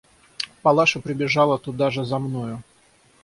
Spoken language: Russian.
Палаша прибежала туда же за мною.